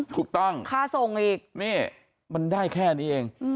ถูกต้องค่าทรงอีกนี่มันได้แค่นี้เอง